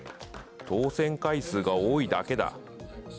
当選回数が多いだけだ。